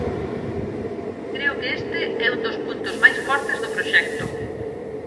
Creo que este é un dos puntos máis fortes do proxecto.